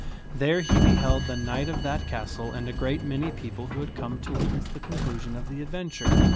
There he beheld the knight of that castle and a great many people who had come to witness the conclu sion of the adventure.